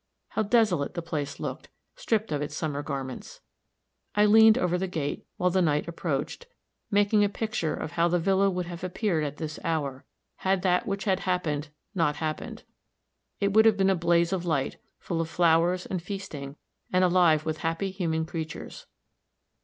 How desolate the place looked, stripped of its summer garments! I leaned over the gate, while the night approached, making a picture of how the villa would have appeared at this hour, had that which had happened not happened. It would have been a blaze of light, full of flowers and feasting, and alive with happy human creatures.